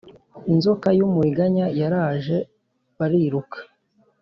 inzoka y’umuringa yaraje bariruka